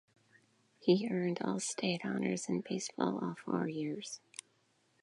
He earned all-state honors in baseball all four years.